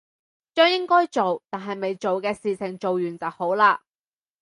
將應該做但係未做嘅事情做完就好啦